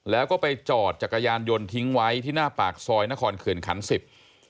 แล้วก็ไปจอดจักรยานยนต์ทิ้งไว้ที่หน้าปากซอยนครเขื่อนขันสิบ